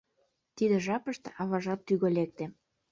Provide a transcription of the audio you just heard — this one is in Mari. Тиде жапыште аважат тӱгӧ лекте.